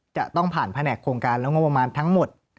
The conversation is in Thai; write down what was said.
จะต้องผ่านแผนกโครงการและงบประมาณทั้งหมด